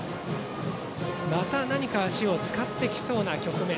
また何か足を使ってきそうな局面。